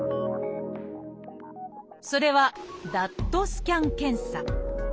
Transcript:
それは「ＤＡＴスキャン検査」。